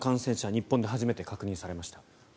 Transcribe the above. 日本で初めて確認されました。